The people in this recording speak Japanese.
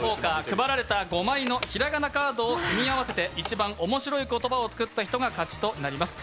配られた５枚のひらがなカードを組み合わせて、一番面白い言葉を作った人が勝ちとなります。